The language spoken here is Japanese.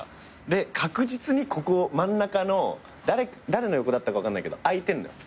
で確実にここ真ん中の誰の横だったか分かんないけど空いてんのよ。